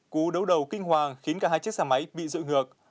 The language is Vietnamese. cú đấu đầu kinh hoàng khiến cả hai chiếc xe máy bị dự ngược